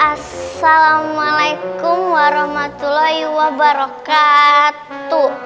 assalamualaikum warahmatullahi wabarakatuh